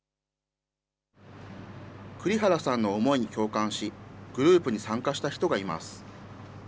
栗原さんの思いに共感し、グループに参加した人がいます。